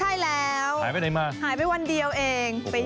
ใช่แล้วหายไปไหนมาหายไปวันเดียวเอง